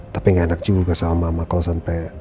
tapi gak enak juga sama mama kalo sampe